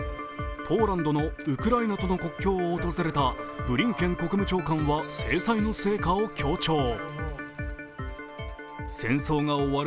ポーランドのウクライナとの国境を訪れたブリンケン国務長官は制裁の経過を強調。